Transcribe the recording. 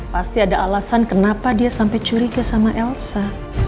pasti ada alasan kenapa dia sampai curiga sama elsa